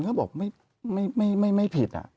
เขาบอกไม่ผิด